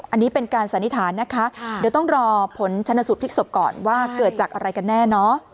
อันนี้เป็นการสันนิษฐานนะคะเดี๋ยวต้องรอผลชนสูตรพลิกศพก่อนว่าเกิดจากอะไรกันแน่เนอะ